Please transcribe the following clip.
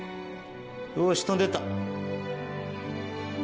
よし、飛んで行った。